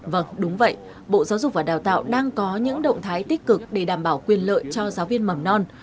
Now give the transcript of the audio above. vâng đúng vậy bộ giáo dục và đào tạo đang có những động thái tích cực để đảm bảo quyền lợi cho giáo viên mầm non